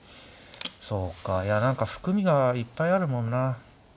そうかいや何か含みがいっぱいあるもんな。